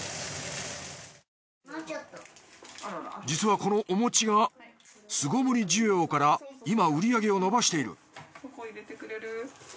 実はこのお餅が巣ごもり需要から今売り上げを伸ばしている。